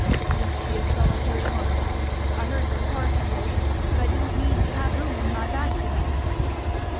"Didn't see a solitary one. I heard some partridges, but I didn't mean to have room in my bag for them."